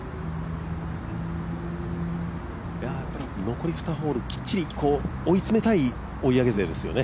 残り２ホール追い詰めたい追い上げ勢ですよね。